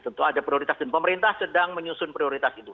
tentu ada prioritas dan pemerintah sedang menyusun prioritas itu